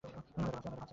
আমিও তাই ভাবছিলাম!